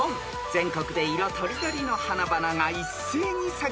［全国で色とりどりの花々が一斉に咲き誇る季節です］